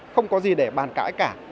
không có gì để bàn cãi cả